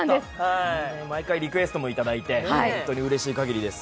毎回リクエストもいただいてうれしい限りです。